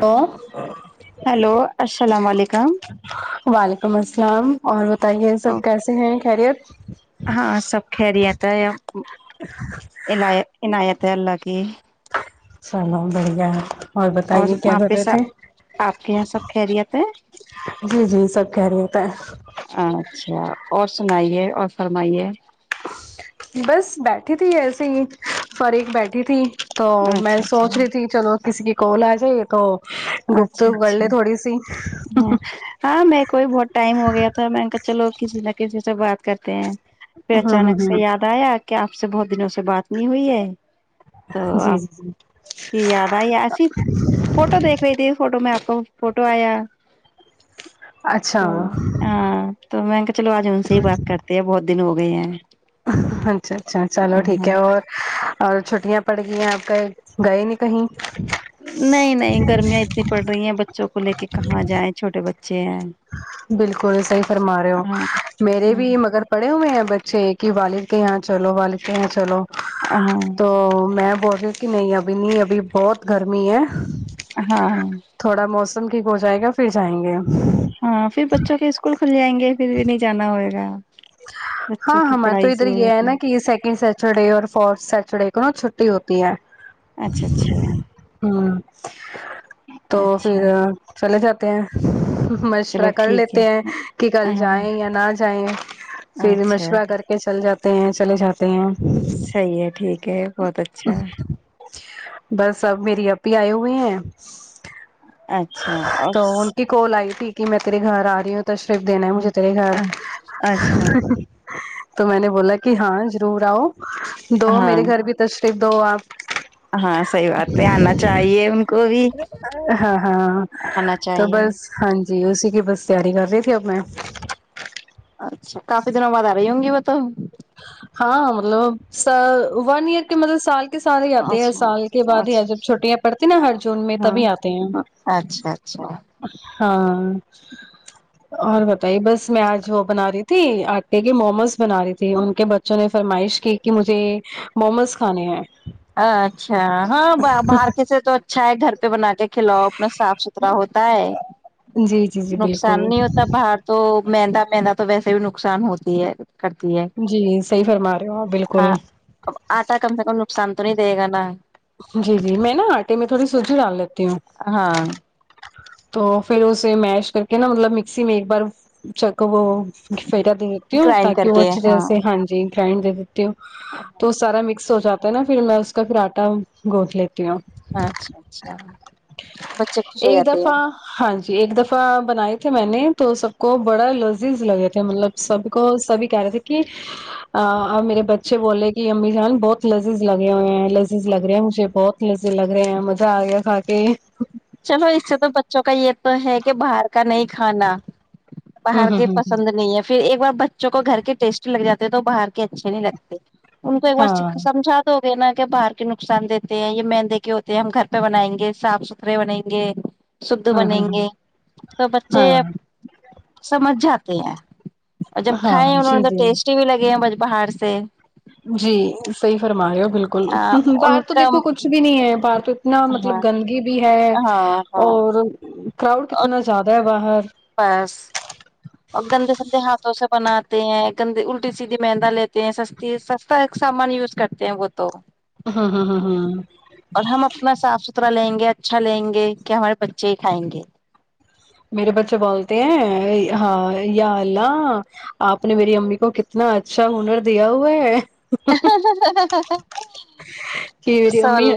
تو ہیلو السلام علیکم وعلیکم السلام اور بتائیے سب کیسے ہیں خیریت ہاں سب کرییات ہے ع عنایت ہے اللہ کی سانو دریا اور بتائیے کیا وہاں کر پہ رہے تھے آپ کے یہاں سب خیریت ہے جی جی سب کہہ رہی تھا اچھا اور سنائیے اور فرمائیے بس بیٹھی تھی ایسے ہی اور ایک بیٹھی تھی تو میں اچھا اچھا سوچ رہی تھی چلو کسی کی کولا آ جاہے تو ڈپت گلے تھوڑی سی ہ ہاں میرے کو بھی بہت ٹائم ہو گیا تھا میں کہ چلو کسی ل ک سےب بات کرتے ہیں پھر ہاں ہاں اچانک سے ہاں یاد آیا کیا آپ سے بہت دنوں سے بات نہیں ہوئی ہے تو جی آپ جی جی کی یاد آئی ایسی فوٹو دیکھ رہی تھی فوٹو میں آپ کو فوٹو آیا اچھا تو ہاں تو میں کہ چلو آج ان سے ہی بات کرتے ہیں بہت دن ہو گئے ہیں اچھا اچھا چلو ٹھیک ہاں ہے اور اور چھٹیاں پڑ گئی ہیں آپ کہیں گئے نہیں کہیں نہیں نہیں گرمیاں اتنی پڑ رہی ہیں بچ بچوں کو لے کہاں جائیں چھوے بچے چھ بالکل صحیح فرما رہے ہو میرے ہاں بھی مگر پڑھے ہوئے میں بچے ہے کہ والد کے یہاں چلو والد کے یہاں چلو ہاں تو میں بول رہے کہ نہیں ابھی نہیں ابھی بہت گرمی ہے ہاں سم کیھیک ہو جائے گا پھر جائیں گے ہاں پھر بچوں کے اسکول کھل جائیں گے پھر بھی نہیں جانا ہوئے گا چ ہاں ہمارے تو ادھر یہ ہے نا کہ سیکنڈ سیٹرڈے اور فورتھ سیٹرڈے کو ن چ ہوتی ہے اچھا اچھا ہوں اچھا کہ چلو مشورہ کر ٹھیک ہے لیتے ہیں کہ کل ہاں جائیں یا نہ جائیں پھر مشورہ کر کے چل جاتے ہیں چلے جاتے ہیں صحی ہے ٹھیک ہے بہت اچھا ہے بس اب میری اب ہی آئے ہوئے ہیں اچھا اور تو ان کی کول آئی تھی کہ میں تیرے گھر آ رہی ہوں تشریف دینا ہے مجھے تیرے گھر اچھا تو میں نے بولا کہ ہاں ضرور آؤ دو ہاں میرے گھر بھی تو پھر دو آپ ہاں صحی بات ہے آنا چاہیے ان کو بھی ہاں ہاں آنا تو چاہیے بس ہاں جی اسی کی بس تیاری کر رہی تھی اب میں اچھا کافی دنوں بعد آ رہی ہوں گی وہ تو ہاں مطلب س ون ایئر کے مطلب سال کے کے ساتھ ہی آتے ہیں اچھا سال کے بعد ہی اچھا جب چھوٹیاں پڑتی ہیں نا ہر جون میں ہاں تبھی آتے ہیں اچھا اچھا ہاں اور بتائیے بس میں آج وہ بنا رہی تھی آٹے کے موموز بنا رہی تھی ج ان کے بچوں نے فرمائش کی کہ مجھے مومس کھانے ہیں اچھا ہاں باہر کسے تو اچھا ہے گھر بنا کے کھلاؤ اپنا صاف ستھرا ہوتا ہے جی جی جی نقصان بالکل نہیں ہوتا باہر تو مہندا مہندا تو ویسے بھی نقصان ہوتی ہے کرتی ہے جی صحی فرما رہے ہو آپ بالکل سانتونی دے گا نا جی جی میں نا آٹے میں تھوڑی سوزی ڈال لیتی ہ ہاں تو پھر اسے میش کر کے نا مطلب مکسی میں ایک بار چ وہ فرا دے دیتی ہو گرائنڈ تاک کر کہ وہ کے اچھ جیسے ہاں جی فائنڈ تو سارا مکس ہو جاتا نا پھر میں اس کا پھر آٹا گوھ لیتا اچھا اچھا بچے خوش ہو ایک جاتے دفعہ ہیں ہاں جی ایک دفعہ بنائی تھی میں نے تو سب کو بڑا لذیذ لگے تھے مطلب سب کو سبھی کہہ رہے تھے کہ میرے بچے بولے کہ امی جان بہت لذیذ لگے ہوئے ہیں لذیذ لگ رہے ہیں مجھے بہت لذیذ لگ رہے ہیں مزہ آ گیا کھا کے چلو اس سے تو ب بچوں کا یہ تو ہے کہ باہر کا نہیں کھانا ہوں باہر ہوں کے ہوں پسند نہیں ہے پھر ایک بار بچوں کو گھر کے ٹیسٹ لگ جاتے ہیں تو باہر کے اچھے نہیں لگتے ان کو ایک ہاں بار سمجھا تو دینا کہ باہر کے نقصان دیتے ہیں یہ مہندے کے ہوتے ہیں ہم گھر پہ بنائیں گے صاف ستھرے رریوون ہی گے شھ ہاں بنیں ہاں گے تو بچے ہاں ہاں سمجھ جاتے ہیں اور جب کھائے ہاں ہیں انہوں جی نے تو جی ٹیسٹی بھی لگے ہیں باہر سے جی صحیح فرما ہو بالکل باہر ان تو کا دیکھو کچھ بھی نہیں ہے باہر تو اتنا مطلب ہاں گندگی بھی ہے ہاں ہاں اور کراؤڈ اور کتنا زیادہ ہے باہر بس اور گندے سندے ہاتھوں سے بناتے ہیں گندی الٹی سیدھی مندا لیتے ہیں سستی سستا ایک سامان یوز کرتے ہیں وہ تو ہوں ہوں ہوں ہوں اور ہم اپنا صاف ستا ترا لیں گے اچھا لیں گے کہ ہمارے بچے ہی کھائیں گے میرے بچے بولتے ہیں ہاں یا اللہ آپ نے میری امی کو کتنا اچھا ہنر دیا ہوا ہے کی میری امی سوال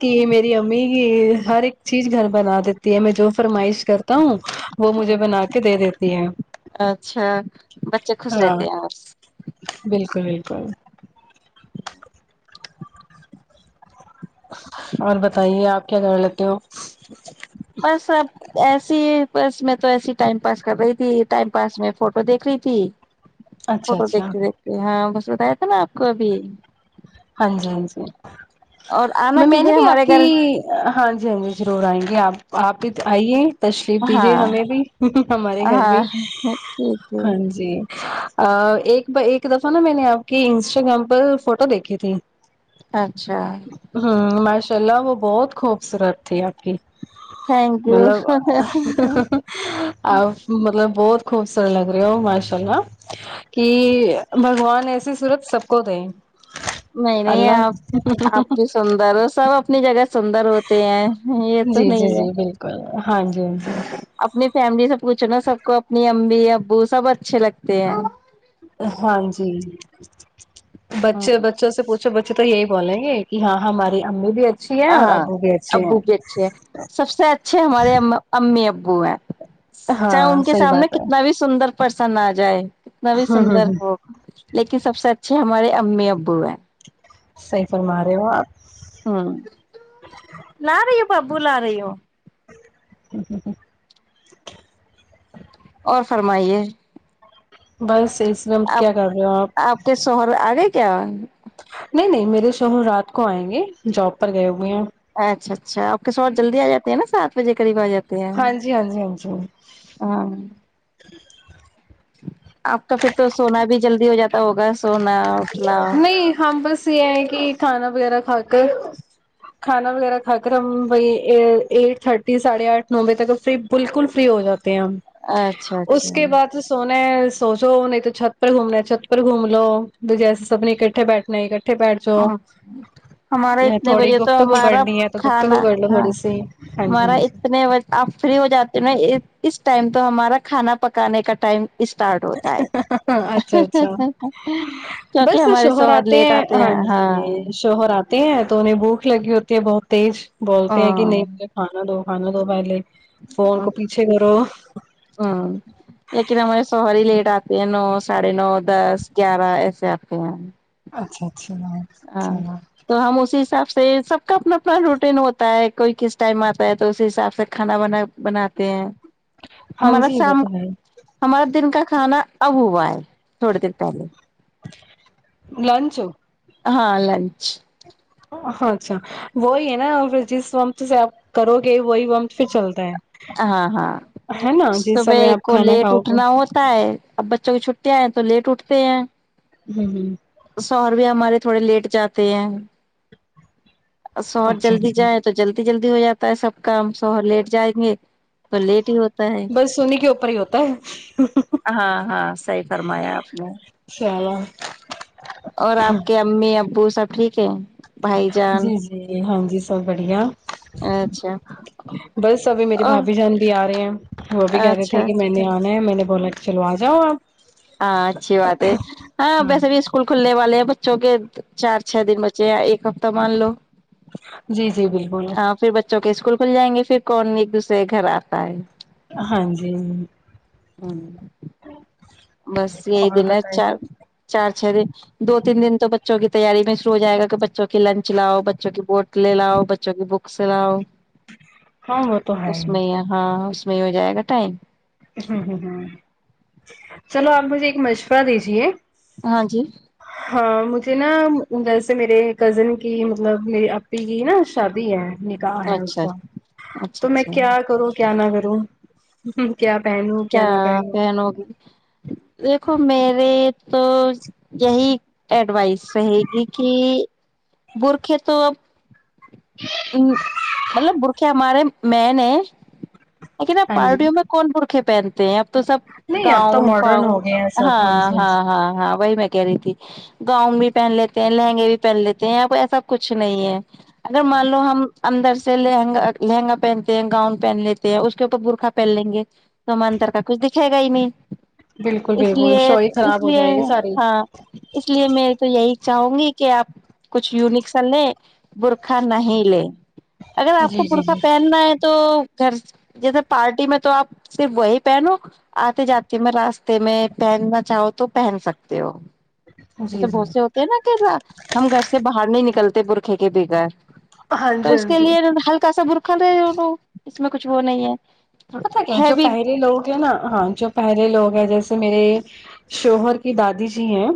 کی میری امی کی ہر ایک چیز گھر بنا دیتی ہے ہم جو فرمائش کر توؤ وہ مجھے بنا کے دے دیتی ہے اچھا بچے خوش ہاں رہتے ہیں بس بالکل بکل ک اور بتائیے آپ کیا کر لیتے ہو بس اب ایسی بس میں تو ایس ٹائم پاس کر رہی تھی ٹائم پاس میں فوٹو دیکھ رہی تھی اچھا فوٹو اچھا دیکھتے دیکھتے ہاں ب بتایا تھا ن آپ کو ابھی ہاں جی ہاں جی اور آنا میں میں کس نے دن بھی آپ ہمارے کی گھر ہاں جی ہاں جی ضرور آئیں گی آپ آپ ہی آئیے تشریف دیجے ہاں ہمیں بھی ہمارے گھر بھی ہاں ٹھیک ہے ہاں جی ایک ایک دفعہ نا میں نے آپ کے انسٹاگررام پر فوٹو دیکھی تھی ج اچھا چلا وہ بہت خوبصورت تھی آپھی تھینک یو مطلب آ مطلب بہت خوبصورت لگ رہے ہو ماشاء اللہ کہ بھگوان ایسی صورت سب کو دیں نہیں نہیں اللہ آپ آپ بھی سندر ہو سب اپنی جگہ سندر ہوتے ہیں یہ تو جی جی نہیں ہے جی بالکل ہاں جی اپنی فیملی سے پوچھو نا سب کو اپنی ابمی ابو سب اچھے لگتے ہیں ہاں جی بچے بچوں سے پوچھو ب اچ تو یہی بولیں گے کہ ہاں ہماری امی بھی ا ہاں ہاں ابو بھی اچھے ہے سب سے اچھے ہمارے امی ابو گوو چاہ ہاں ان کے صحیح سامنے بات ہے کتنا بھی سندر پسند آ جائے کتنا بھی ہوں سندر ہوں ہ ہوگا لیکن سب سے اچھے ہمارے امی ابو ہیں صحی فرما رہے ہو آپ ہاں لا رہی پاب بلا رہی ہو ہ ہ ہ اور فرمائیے بس اس میں آپ کیا کر رہے ہو آپ کے شوہر آگئے کیا نہیں نہیں میرے شوہر رات کو آئیں گے جاب پر گئے ہوئے ہیں اچھا اچھا اک س اور جلدی آ جاتی ہے نا سات بجے قریب آ جات ہاں جی ہاں جی ہاں جی ہاں آپ کا پھر تو سونا بھی جلدی ہو جاتا ہوگا سونا اٹنا نہیں ہم بس یہ ہے کہ کھانا وغیرہ کھا کر کھانا وغیرہ کھا کر ہم وہی ایٹ تھرٹی ساڑھے آٹھ نو بجے تک فری بالکل فری ہو جاتا ہم اچھا اچھا اس کے بعد سونے سوچو نہیں تو چھت پر گھومنا ہے چھت پر گھوم لو دجھےسے سبنی اکٹھے بیٹھنا اٹھے ا ہمارا اتنے تھوڑی بجے تو گفتگو ہمارا کرنی ہے تو گفتگو کھانا کر لو ہاں تھوڑی سی ہاں ہمارا جی ہاں اتنے بجے آپ فری ہو جاتے ہو نا اس ٹائم تو ہمارا کھانا پکانے کا ٹائم اسٹارٹ ہوتا ہے جی اچھا اچھا کیونکہ ہمارے سو لیٹ آتا [unintelligible] تے ہیں تو انہیں بھوک لگی ہوتی ہے بہت تیز بولتے ہیں کہ نہیں ہ مجھے کھانا دو بان دو پہلے فون کو پیچھے کرو ہ لیکن ہمارے سر لیٹ آتے ہیں ن ساڑھے نو دس گیارہ اس [unintelligible] اچھا اچھا ہاں چلو تو ہم اسی حساب سے سے سب کا اپنا اپنا روٹین ہوتا ہے کوئی کس ٹائم آتا ہے تو اسی حساب سے کانا ب بناتے ہیں ہاں ہمارا جی وہ شام تو ہے ہمارا دن کا کھانا اب ہوا ہے تھوڑی دیر پہلے لنچو ہاں لنچ ہاں اچھا وہی ہے نا پھر جس وقت سے آپ کرو گے وہی وقت پھر چلتا ہے ہاں ہاں ہے نا جس صبح سمے آپ کو کھانا لیٹ کھاؤ گے اٹھنا ہوتا ہے اب بچوں کی چھٹٹی آئے تو لیٹ اٹھ سے ہمم ہمم سور بھی ہمارے تھوڑے لیٹ جاتے ہیں سو اور اچھا جلدی اچھا جائیں تو جلدی جلدی ہو جاتا ہے سب کام سو لیٹ جائیں گے تو لیٹ ہی ہوتا ہے بس انہیں کے اوپر ہی ہوتا ہے ہاں ہاں صحیح فرمایا آپ نے چلو اور آپ کے امی ابو سب ٹھیک ہے بھائی جان جی جی ہاں جی سب بڑھیا اچھا بس ابھی میرے اور بھابھی جان بھی آ رہے ہیں وہ بھی کہہ رہے تھے اچھا کہ اچھا میں نے آنا ہے میں نے بولا چلو آ جاؤ آپ ہاں اچھی بات ہے ہاں ویسے ا بھی اسکول کھلنے والا بچوں کے چار چھ دن بچے ایک ہتے جی جی بالکل ہ پھر بچوں کے اسک ول کھل جائیں گے پھر کون ایک دوسرے کے گھر آتا ہے ہاں جی ہمم بس یہی اور دن چار بتائیے چار چھ دن دو تین دن تو بچوں کی تیاری میں شرو ہو جائے گا کہ بچوں کی لنچ لاؤ بچوں کی بوٹیں لاؤ بچوں کی بکس لاؤ ہاں وہ تو ہے اس ہی میں ہاں اس میں ہو جائے گا ٹائم ہ ہوں ہوں چلو آپ مجھے ایک مشورہ دیجیے ہاں جی ہاں مجھے نا ویسے میرے کزن کی مطلب میری اپپی کی نا شادی ہے ن کہا ہے اس اچھا کو اچھا تو میں اچھا کیا کروں کیا نہ کروں جی کیا پن ہوگی دیکھو میرے تو یہی ڈ رہے گی کہ برخے تو اب مطلب برخے ہمارے م نے ہیں لیکن ہاں جی پارٹییوں میں کون ب پکھے پہنتے ہیں آ تو سب نہیں اب تو گاؤن ماڈرن فاؤن ہو گیا ہے سب ہاں جی جی ہاں ہاں ہاں وہی میں کہہ رہی تھی گاؤن بھی پہن لیتے ہیں لہنگے بھی پہن لیتے ہیں یہ کو ایسا کچھ نہیں ہے اگر مان لو ہم اندر سے لہنگا لہنگا پہنتے ہیں گاؤن پہن لیتے ہیں اس کے اوپر برخہ پہن لیں گے تومانتر کا کچھ دکھائے گا ا میں بالکل اس بالکل لیے شوئی اس خراب ہو لیے جائے گی ساری ہاں اس لیے میری تو یہی چاہوں گی کہ آپ کچھ یونکسن لے برکھا نہیں لے اگر آپ کو جی جی برقہ جی پہننا ہے تو گھر جیسے پارٹی میں تو آپ صرف وہی پہنو آتے جاتی میں راستے میں پہننا چاہو تو پہن سکتے ہو ایسے جی جی بہت سے ہوتے ہیں نا کہا ہم گھر سے باہر نہیں نکلتے تے برخے کے بگا ہاں تو جی اس ہاں کے جی لیے ہلکا سا بر رکھا دوں اس میں کچھ وہ نہیں ہے پتا کیا ہے جو بھی پہرے لوگ ہیں نا ہاں جو پہرے لوگ جیسے میرے شوہر کی دادی جی ہیں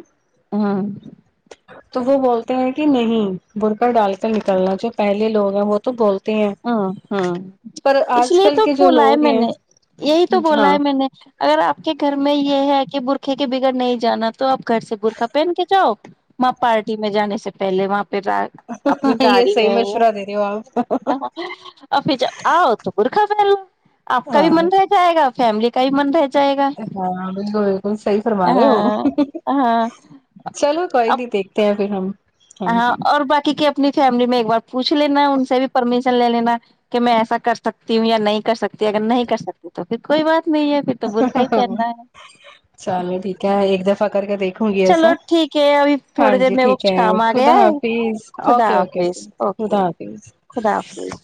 ہاں تو وہ بولتے ہیں کہ نہیں برک ڈال کر نکلنا جو پہلے لوگ ہیں وہ تو بولتے ہیں ہ ہاں پر اس آج لیے کل تو کے جو بولا ہے لوگ میں ہیں نے یہی تو بولا ہاں ہے میں نے اگر آپ کے گھر میں یہ ہے کہ برقے کے بگڑ نہیں جانا تو آپ گھر سے برخہ پہن کے جاؤ وہاں پارٹی میں جانے سے پہلے وہاں پہ اپنی یہ گاڑی صحی میں مشورہ دے رہے ہو آپ افج آؤ تو پرخا پہل آپ کا بھی ہاں من رہ جائے گا فیملی کائی مند ہے ہاں بالکل بالکل صحیح فرما رہے ہو ہاں ہاں چلو کوئی اب نہیں دیکھتے ہیں پھر ہم ہاں اور بقی کیا اپنی فیملی میں ایک بار پوھ لینا ان سے بھی پرمیش لے لینا کہ میں ایسا کر سکتی ہوں یا نہیں کر سکتی اگر نہیں کر سکتی تو پھر کوئی بات نہیں ہے پھر تو برقع ہی پہننا ہے چلو ٹھیک ہے ایک د ف کر کے دیک چلو ٹھیک ہے ابھی تھوڑی دیر میں وہ ٹھیک کچھ ہے کام آ خدا گیا ہے حافظ خدا اوکے اوکے حافظ خدا اوکے حافظ خدا حافظ